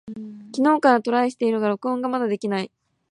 昨日からトライしているが録音がまだできない。